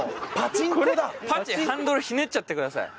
ハンドルひねっちゃってください。